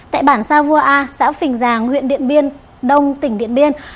tại bản sa vua a xã phình giàng huyện điện biên đông tỉnh điện biên